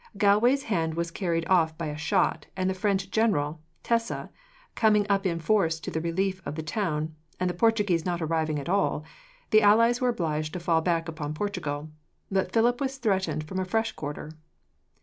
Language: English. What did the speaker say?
Galway's hand was carried off by a shot, and the French general (Tesse) coming up in force to the relief of the town, and the Portuguese not arriving at all, the allies were obliged to fall back upon Portugal. But Philip was threatened from a fresh quarter.